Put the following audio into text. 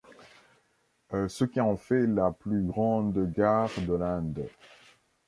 Ce qui en fait la plus grande gare de l’Inde.